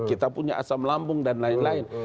kita punya asam lambung dan lain lain